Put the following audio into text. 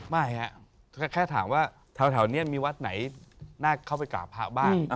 ไม่ครับแค่ถามว่าแถวนี้มีวัดไหนน่าเข้าไปกราบพระบ้าง